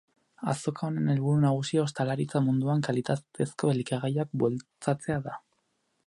Azoka honen helburu nagusia ostalaritza munduan kalitatezko elikagaiak bultzatzea da.